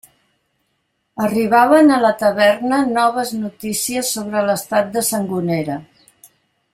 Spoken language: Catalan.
Arribaven a la taverna noves notícies sobre l'estat de Sangonera.